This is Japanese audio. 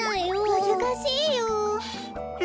むずかしいよ。は